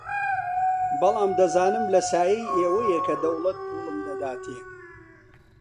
بەڵام دەزانم لە سایەی ئێوەیە کە دەوڵەت پووڵم دەداتێ